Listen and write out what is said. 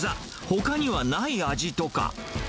ほかにはない味とか。